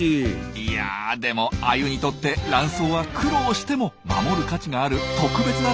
いやでもアユにとってラン藻は苦労しても守る価値がある特別な食べ物なんですよ。